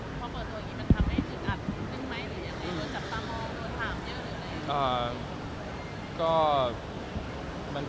พอเปิดตัวนี้มันทำให้ติดอัดยึกไหมเซอะจับตั้งมองหรือนี่